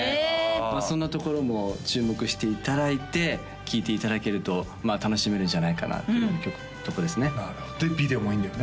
そんなところも注目していただいて聴いていただけると楽しめるんじゃないかなっていうとこですねでビデオもいいんだよね？